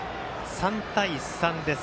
３対３です。